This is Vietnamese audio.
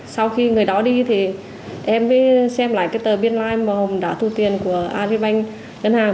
sau khi người đó đi thì em xem lại cái tờ biên lai màu hồng đã thu tiền của agribank ngân hàng